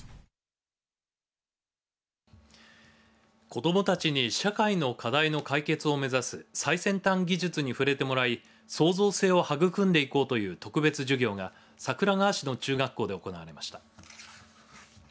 子どもたちに社会の課題の解決を目指す最先端技術に触れてもらい創造性を育んでいこうという特別授業が桜川市の中学校で行われました。